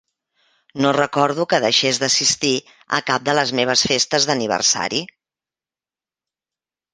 No recordo que deixés d'assistir a cap de les meves festes d'aniversari.